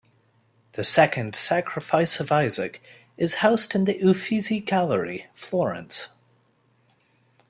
The second "Sacrifice of Isaac" is housed in the Uffizi Gallery, Florence.